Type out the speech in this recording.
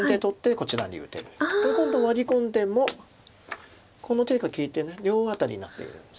これ今度ワリ込んでもこの手が利いて両アタリになっているんです。